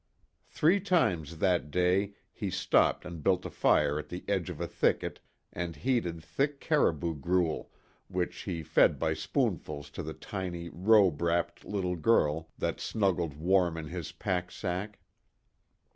Three times that day he stopped and built a fire at the edge of a thicket and heated thick caribou gruel which he fed by spoonfuls to the tiny robe wrapped little girl that snuggled warm in his pack sack.